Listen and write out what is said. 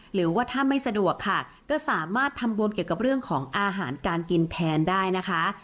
หรือว่าถ้าไม่สะดวกค่ะก็สามารถทำบุญเกี่ยวกับเรื่องของอาหารการกินแทนได้นะคะ